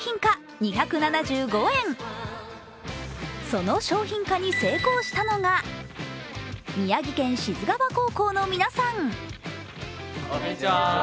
その商品化に成功したのが宮城県・志津川高校の皆さん。